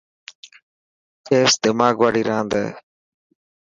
چيس دماغ واڙي راند هي.